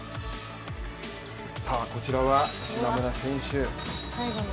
こちらは島村選手。